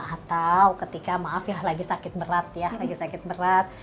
atau ketika maaf ya lagi sakit berat ya lagi sakit berat